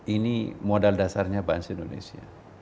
ini modal dasarnya bangsa indonesia